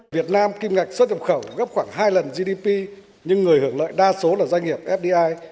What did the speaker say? việt nam kim ngạch xuất nhập khẩu gấp khoảng hai lần gdp nhưng người hưởng lợi đa số là doanh nghiệp fdi